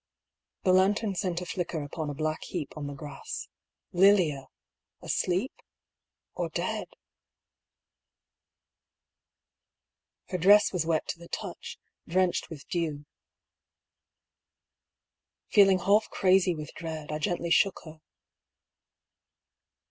The lantern sent a flicker upon a black heap on the grass : Lilia, asleep— K>r dead ? Her dress was wet to the touch, drenched with dew. Feeling half crazy with dread, I gently shook her.